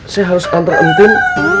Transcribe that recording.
saya harus antar ntin